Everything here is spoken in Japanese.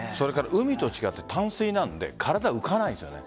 海と違って淡水なので体が浮かないですよね